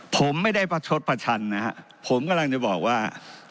ผมไม่ได้ประชดประชันนะฮะผมกำลังจะบอกว่า